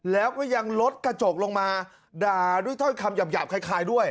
แล้วก็ยังลดกระจกลงมาด่าด้วยถ้อยคำหยาบคล้ายด้วย